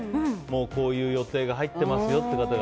こういう予定が入ってますよっていう方が。